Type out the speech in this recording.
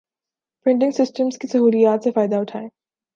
پریٹنگ systems کی سہولیات سے فائدہ اٹھائیں